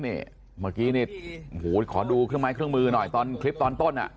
เมื่อกี้นี่ขอดูเครื่องไม้เครื่องมือหน่อยตอนคลิปตอนต้น